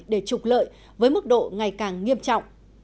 để trục lợi với mức độ ngày càng nghiêm trọng